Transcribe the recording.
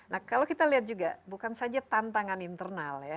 nah kalau kita lihat juga bukan saja tantangan internal ya